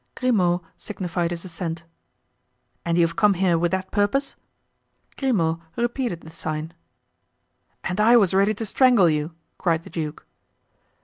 Grimaud signified his assent. "And you have come here with that purpose?" Grimaud repeated the sign. "And I was ready to strangle you!" cried the duke.